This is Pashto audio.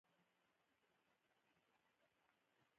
• کله ناکله چپ ژړا تر لوړې ژړا ډېره دردونکې وي.